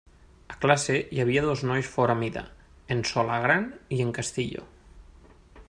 A classe hi havia dos nois fora mida: en Solà gran i en Castillo.